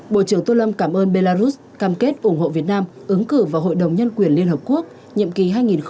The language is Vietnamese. bộ trưởng tô lâm cảm ơn belarus cam kết ủng hộ việt nam ứng cử vào hội đồng nhân quyền liên hợp quốc nhiệm kỳ hai nghìn hai mươi hai nghìn hai mươi một